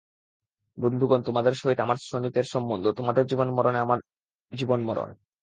বন্ধুগণ, তোমাদের সহিত আমার শোণিতের সম্বন্ধ, তোমাদের জীবনে মরণে আমার জীবনমরণ।